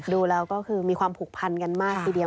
ดูแล้วก็คือมีความผูกพันกันมากทีเดียว